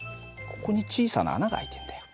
ここに小さな穴が開いてんだよ。